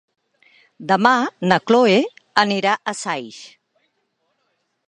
Demà na Cloè anirà a Saix.